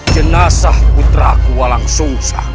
jenazah putraku walang sung sang